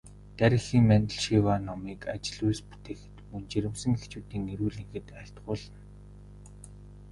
Дарь эхийн мандал шиваа номыг ажил үйлс бүтээхэд, мөн жирэмсэн эхчүүдийн эрүүл энхэд айлтгуулна.